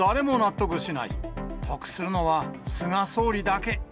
得するのは菅総理だけ。